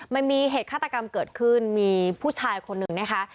มันมีเหตุฆาตกรรมเกิดขึ้นมีผู้ชายคนหนึ่งนะคะ